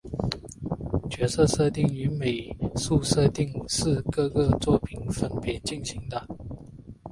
角色设计与美术设定是各个作品分别进行的。